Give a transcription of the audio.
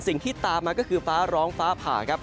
สิ่งที่ตามมาก็คือฟ้าร้องฟ้าผ่าครับ